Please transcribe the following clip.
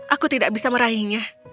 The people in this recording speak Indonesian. aku tidak bisa meraihnya